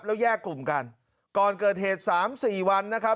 แล้วแยกกลุ่มกันก่อนเกิดเหตุสามสี่วันนะครับ